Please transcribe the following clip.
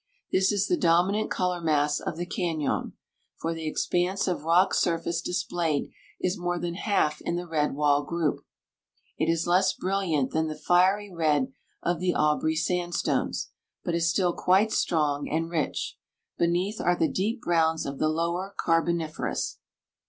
This is the dominant color mass of the cañon, for the expanse of rock surface displayed is more than half in the Red Wall group. It is less brilliant than the fiery red of the Aubrey sandstones, but is still quite strong and rich. Beneath are the deep browns of the lower carboniferous.